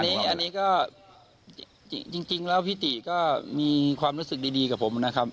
อันนี้ก็จริงแล้วพี่ติก็มีความรู้สึกดีกับผมนะครับ